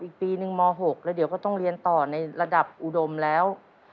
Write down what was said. อีกปีนึงม๖แล้วเดี๋ยวก็ต้องเรียนต่อในระดับอุดมแล้ว